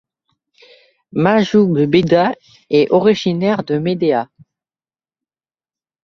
Mahdjoub Bedda est originaire de Médéa.